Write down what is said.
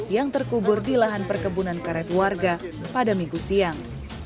yang terkubur di lahan perkebunan karet warga pada minggu siang